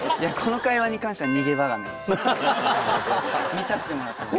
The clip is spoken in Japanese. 見させてもらってます。